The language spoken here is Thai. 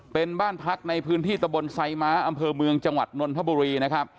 เป็นบ้านพักในพื้นที่ตะบนไซม้าอำเภอเมืองจังหวัดนนทบุรีนะครับ